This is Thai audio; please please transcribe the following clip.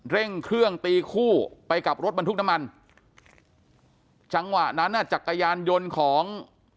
เร่งเครื่องตีคู่ไปกับรถบรรทุกน้ำมันจังหวะนั้นน่ะจักรยานยนต์ของ